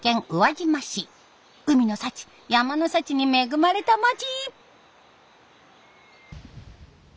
海の幸山の幸に恵まれた町！